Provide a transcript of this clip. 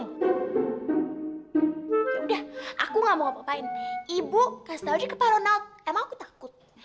ya udah aku nggak mau ngapain ibu kasih tau aja ke pak ronald emang aku takut